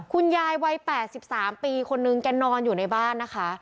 คุณยายวัย๘๓ปีคนนึงแกนอนอยู่ในบ้านนะคะ